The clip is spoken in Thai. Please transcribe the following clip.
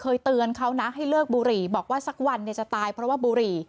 เคยเตือนเขานะให้เลิกบุหรี่บอกว่าสักวันเนี่ยจะตายเพราะว่าบุหรี่